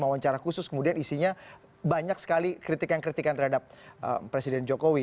wawancara khusus kemudian isinya banyak sekali kritikan kritikan terhadap presiden jokowi